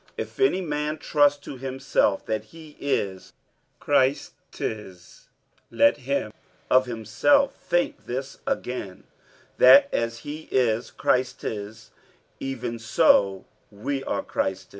If any man trust to himself that he is Christ's, let him of himself think this again, that, as he is Christ's, even so are we Christ's.